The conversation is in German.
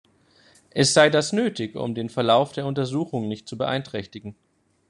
Es sei das nötig, um den Verlauf der Untersuchung nicht zu beeinträchtigen.